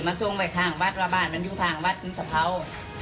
มาส่งไปข้างบ้านว่าบ้านมันอยู่ข้างบ้านคือสเภา